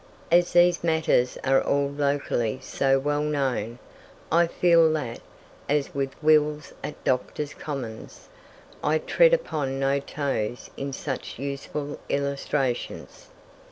As these matters are all locally so well known, I feel that, as with wills at Doctor's Commons, I tread upon no toes in such useful illustrations.